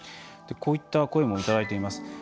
こういった声もいただいています。